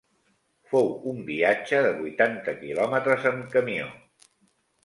Fou un viatge de vuitanta quilòmetres, amb camió